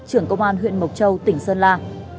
trưởng công an huyện mộc châu tỉnh sơn la